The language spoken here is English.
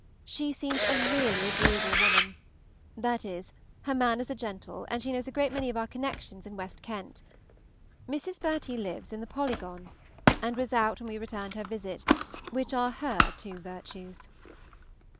She seems a really agreeable woman, that is, her manners are gentle, and she knows a great many of our connections in West Kent. Mrs. Bertie lives in the Polygon, and was out when we returned her visit, which are her two virtues.